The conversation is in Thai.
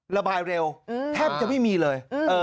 ระบายเร็วแทบจะไม่มีเลย